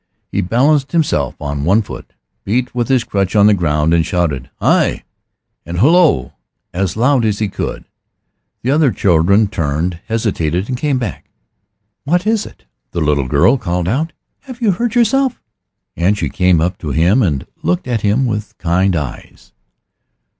He balanced himself on one foot, beat with his crutch on the ground, and shouted, "Hi!" and "Hullo!" as loud as he could. The other children turned, hesitated, and came back. "What is it?" the little girl called out; "have you hurt yourself?" And she came up to him and looked at him with kind eyes.